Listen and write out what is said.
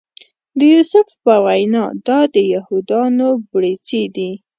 د یوسف په وینا دا د یهودانو بړیڅي دي.